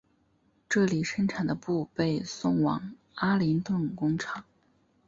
这里生产的布被送往阿灵顿工厂。